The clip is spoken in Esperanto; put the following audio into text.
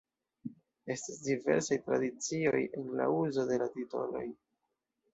Estas diversaj tradicioj en la uzo de la titoloj.